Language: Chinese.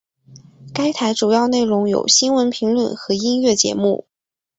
该台主要内容有新闻评论和音乐节目。